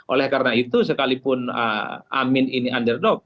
oleh karena itu sekalipun amin ini underdog